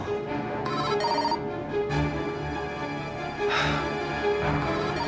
sampai dia telpon aku